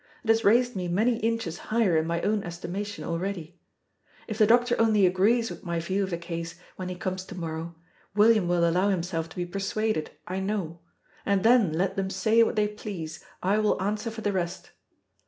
_ It has raised me many inches higher in my own estimation already. If the doctor only agrees with my view of the case when he comes to morrow, William will allow himself to be persuaded, I know; and then let them say what they please, I will answer for the rest.